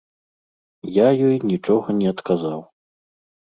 Я ёй нічога не адказаў.